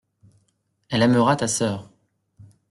Elle aimera ta sœur.